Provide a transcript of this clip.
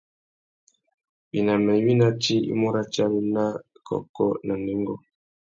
Winama iwí ná tsi i mú ratiari na kôkô na nêngô.